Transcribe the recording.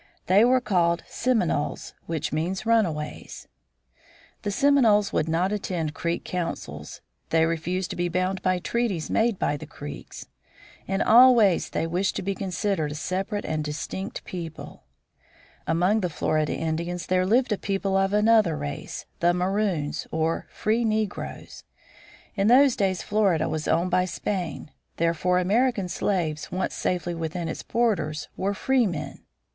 They were called Seminoles, which means runaways. The Seminoles would not attend Creek councils. They refused to be bound by treaties made by the Creeks. In all ways they wished to be considered a separate and distinct people. [Illustration: SEMINOLE INDIANS] Among the Florida Indians there lived a people of another race, the Maroons or free negroes. In those days Florida was owned by Spain. Therefore, American slaves once safely within its borders were free men.